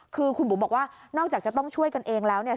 คือคุณบุ๋มบอกว่านอกจากจะต้องช่วยกันเองแล้วเนี่ย